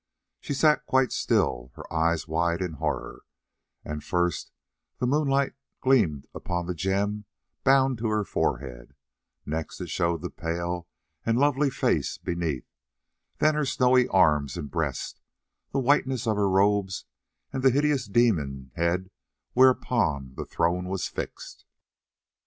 She sat quite still, her eyes set wide in horror; and first the moonlight gleamed upon the gem bound to her forehead, next it showed the pale and lovely face beneath, then her snowy arms and breast, the whiteness of her robes, and the hideous demon head whereon her throne was fixed.